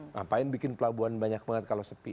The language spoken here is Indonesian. ngapain bikin pelabuhan banyak banget kalau sepi